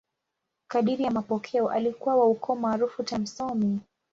Kadiri ya mapokeo, alikuwa wa ukoo maarufu tena msomi.